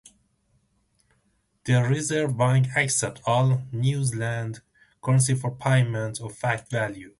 The Reserve Bank accepts all New Zealand currency for payment at face value.